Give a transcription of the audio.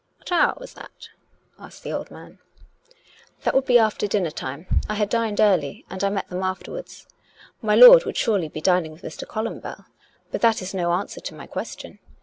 " What hour was that? " asked the old man. " That would be after dinner time. I had dined early; and I met them afterwards. Mj lord would surely be dining with Mr. Columbell. But that is no answer to my question.